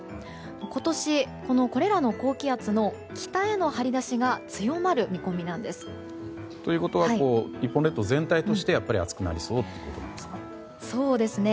今年、これらの高気圧の北への張り出しが強まる見込みなんです。ということは日本列島全体として暑くなりそうということですか？